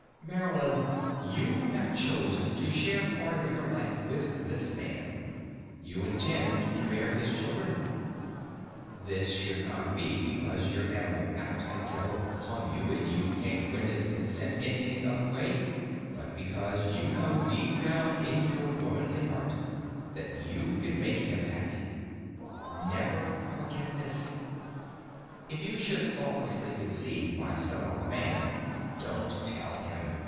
"Marylyn, you have chosen to share part of your life with this man. You intend to bear his children. This should not be because your animal appetites have overcome you and you can't win his consent in any other way but because you know, down deep in your womanly heart, that you can make him happy. Never forget this. If you should thoughtlessly conceive by some other man, don't tell him.